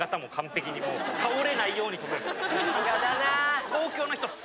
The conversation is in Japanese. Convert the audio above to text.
さすがだな。